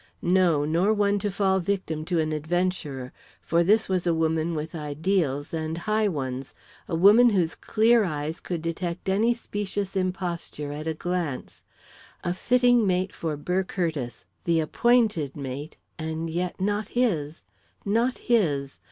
No, nor one to fall victim to an adventurer; for this was a woman with ideals and high ones a woman whose clear eyes could detect any specious imposture at a glance. A fitting mate for Burr Curtiss the appointed mate and yet not his! Not his!